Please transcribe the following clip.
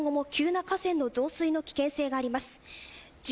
今後も急な河川の増水の危険性があります。